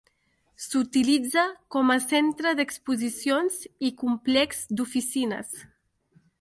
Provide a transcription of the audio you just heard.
S'utilitza com a centre d'exposicions i complex d'oficines.